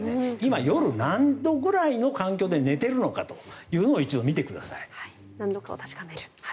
今、夜何度ぐらいの環境で寝てるのかというのを何度か確かめる。